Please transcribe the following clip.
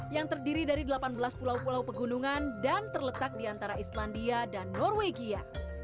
yang terdiri dari delapan belas pulau pulau pegunungan dan terletak di antara islandia dan norwegia